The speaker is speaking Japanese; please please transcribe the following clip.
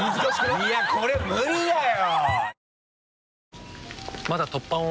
いやこれ無理だよ！